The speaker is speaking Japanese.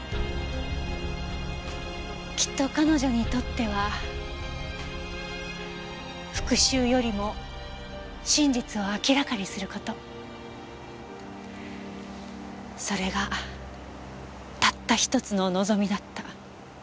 きっと彼女にとっては復讐よりも真実を明らかにする事それがたった一つの望みだった。